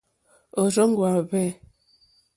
Òrzòŋwá hwɛ̂.